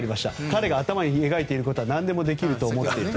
彼が頭に描いていることは何でもできると思っている。